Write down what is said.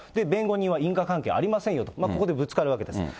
弁護人は因果関係ありませんよと、ここでぶつかるわけです。